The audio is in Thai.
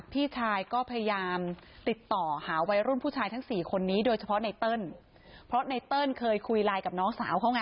พี่ชายก็พยายามติดต่อหาวัยรุ่นผู้ชายทั้งสี่คนนี้โดยเฉพาะไนเติ้ลเพราะไนเติ้ลเคยคุยไลน์กับน้องสาวเขาไง